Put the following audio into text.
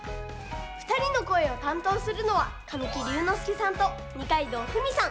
ふたりのこえをたんとうするのは神木隆之介さんと二階堂ふみさん。